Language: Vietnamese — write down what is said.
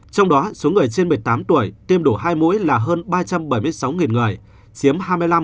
trong đó số người trên một mươi tám tuổi tiêm đủ hai mũi là hơn ba trăm bảy mươi sáu người chiếm hai mươi năm